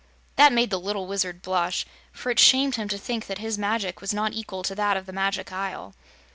That made the little Wizard blush, for it shamed him to think that his magic was not equal to that of the Magic Isle.